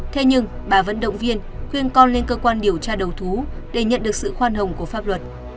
thế nhưng bà vẫn động viên khuyên con lên cơ quan điều tra đầu thú để nhận được sự khoan hồng của pháp luật